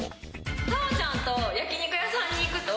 太鳳ちゃんと焼き肉屋さんに行くと。